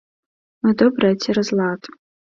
Мы добрыя цераз лад.